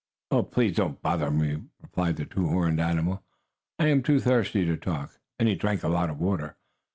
"Oh, please don't bother me," replied the two horned animal. "I am too thirsty to talk," and he drank a lot of water.